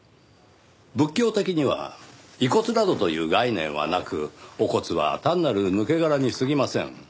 仏教的には遺骨などという概念はなくお骨は単なる抜け殻にすぎません。